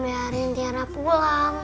biarin tiara pulang